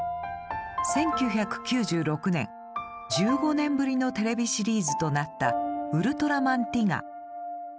１９９６年１５年ぶりのテレビシリーズとなった「ウルトラマンティガ」。